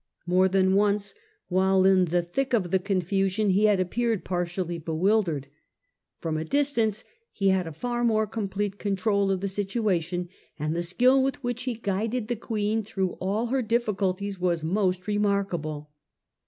More than once, while in the thick of the confusion, he had appeared partially bewildered. From a distance lie had a far more complete control of the situation, and the skill with which he guided the Queen through all her difficulties was most remarkable.